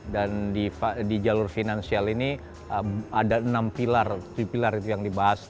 dan di jalur finansial ini ada enam pilar tujuh pilar itu yang dibahas